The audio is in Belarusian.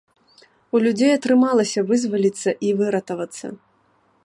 У людзей атрымалася вызваліцца і выратавацца.